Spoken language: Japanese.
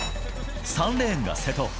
３レーンが瀬戸。